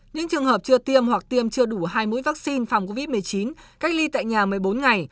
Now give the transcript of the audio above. những trường hợp chưa tiêm hoặc tiêm chưa đủ hai mũi vaccine phòng covid một mươi chín cách ly tại nhà một mươi bốn ngày